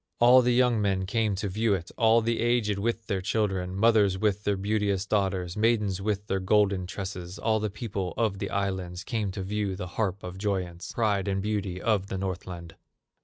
All the young men came to view it, All the aged with their children, Mothers with their beauteous daughters, Maidens with their golden tresses; All the people on the islands Came to view the harp of joyance, Pride and beauty of the Northland.